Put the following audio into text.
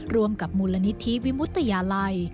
ร่วมกับมูลนิธิวิมุตยาลัย